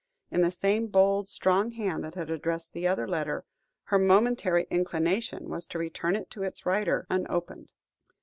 in the same bold, strong hand that had addressed the other letter, her momentary inclination was to return it to its writer unopened.